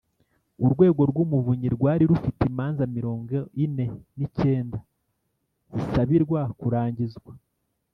urwego rw’umuvunyi rwari rufite imanza mirongo ine n’icyenda zisabirwa kurangizwa.